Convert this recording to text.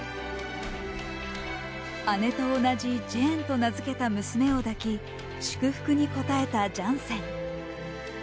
姉と同じジェーンと名付けた娘を抱き祝福に応えたジャンセン。